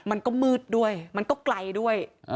มันก็มืดด้วยมันก็ไกลด้วย